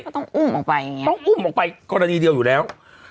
เขาต้องอุ่มออกไปต้องอุ่มออกไปกรณีเดียวอยู่แล้ว